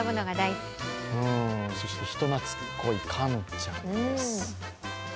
そして人懐こいカンちゃんです。